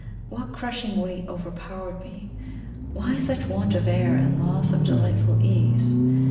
What crushing weight overpowered me? why such want of air and loss of delightful ease?